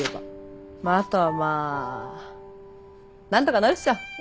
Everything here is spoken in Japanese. あとはまあなんとかなるっしょ。